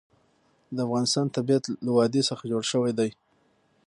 د افغانستان طبیعت له وادي څخه جوړ شوی دی.